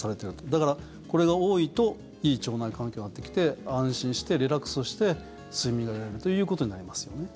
だから、これが多いといい腸内環境になってきて安心して、リラックスして睡眠が得られるということになりますよね。